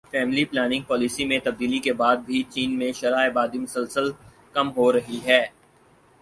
family planning policy میں تبدیلی کے بعد بھی چین میں شرح آبادی مسلسل کم ہو رہی ہے